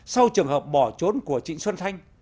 sau trường hợp bỏ trốn của chị xuân thanh